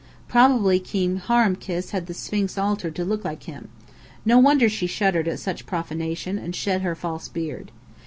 Probably King Harmachis had the Sphinx altered to look like him. No wonder she shuddered at such profanation, and shed her false beard.